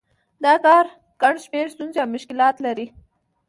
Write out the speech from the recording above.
دا کار ګڼ شمېر ستونزې او مشکلات لري